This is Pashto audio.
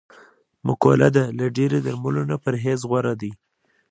مقوله ده: له ډېری درملو نه پرهېز غور دی.